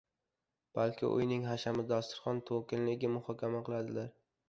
balki uyning hashami, dasturxon to‘kinligini muhokama qiladilar.